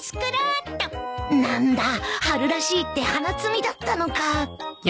何だ春らしいって花摘みだったのか